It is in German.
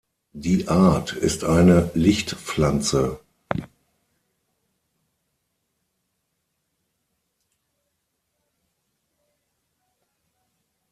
Die Art ist eine Lichtpflanze.